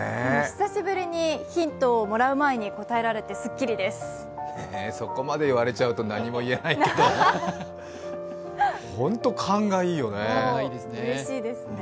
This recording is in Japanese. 久しぶりにヒントをもらう前に答えられて、それまで言われちゃうと何も言えないけどホント、勘がいいよね。